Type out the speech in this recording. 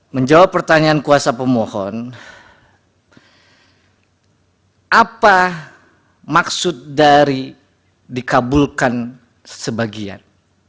menjawab pertanyaan kuasa pemohon apa maksud dari dikabulkan sebagian